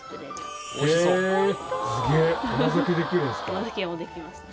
甘酒もできますね。